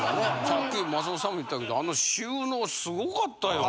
さっき松本さんも言ってたけどあの収納すごかったよ。